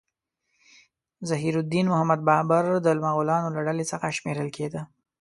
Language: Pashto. ظهیر الدین محمد بابر د مغولانو له ډلې څخه شمیرل کېده.